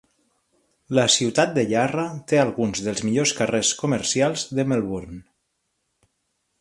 La ciutat de Yarra té alguns dels millors carrers comercials de Melbourne.